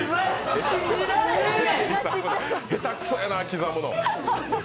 下手くそやな、刻むの。